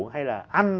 hay là ăn